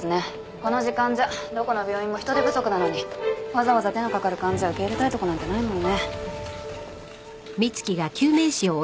この時間じゃどこの病院も人手不足なのにわざわざ手のかかる患者受け入れたいとこなんてないもんね。